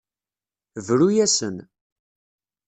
Bru-asen.